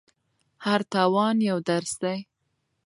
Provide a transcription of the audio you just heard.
هر تاوان یو درس دی.